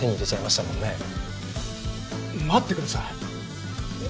待ってください。